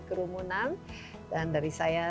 kerumunan dan dari saya